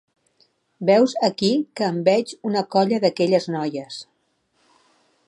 Veus aquí que em veig una colla d'aquelles noies